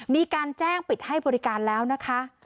มีการแจ้งปิดให้บริการแล้วนะคะ